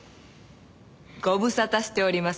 ご無沙汰しております。